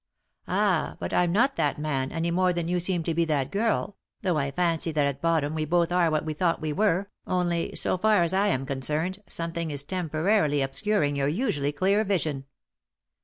"Ah, but I'm not that man, any more than you aeem to be that girl, though I fancy that at bottom jra both are what we thought we were, only, so Jar as I am concerned, something is temporarily ob scuring your usually clear vision.